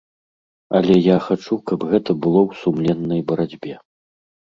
Але я хачу, каб гэта было ў сумленнай барацьбе.